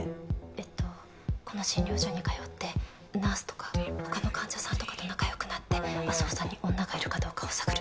えっとこの診療所に通ってナースとか他の患者さんとかと仲良くなって安生さんに女がいるかどうかを探る。